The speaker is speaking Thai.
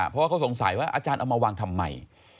เพราะว่าเขาสงสัยว่าอาจารย์เอามาวางทำไม